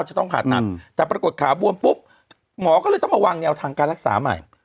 จะต้องผ่าตัดแต่ปรากฏขาบวมปุ๊บหมอก็เลยต้องมาวางแนวทางการรักษาใหม่